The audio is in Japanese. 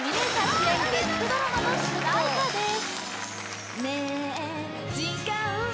主演月９ドラマの主題歌です